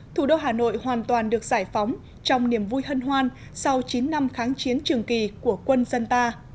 thủ đô hà nội hoàn toàn được giải phóng trong niềm vui hân hoan sau chín năm kháng chiến trường kỳ của quân dân ta